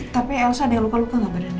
tapi elsa dia lupa lupa gak badannya